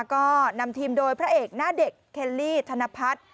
ก็นำทีมโดยพระเอกหน้าเด็กเคลลี่ธนพัฒน์